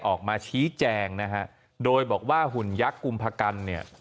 ออกมาชี้แจงนะฮะโดยบอกว่าหุ่นยักษ์กุมพกันเนี่ย